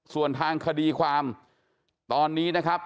ส่วนทางคดีความตอนนี้นะครับ